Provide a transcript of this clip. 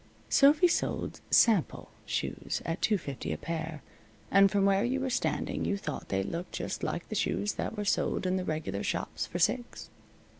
Sophy sold "sample" shoes at two fifty a pair, and from where you were standing you thought they looked just like the shoes that were sold in the regular shops for six.